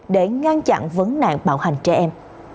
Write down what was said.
để ngăn chặn vấn nạn bạo hành trẻ em